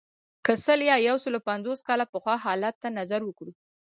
که سل یا یو سلو پنځوس کاله پخوا حالت ته نظر وکړو.